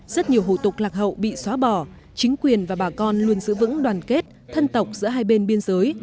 rất nhiều hủ tục lạc hậu bị xóa bỏ chính quyền và bà con luôn giữ vững đoàn kết thân tộc giữa hai bên biên giới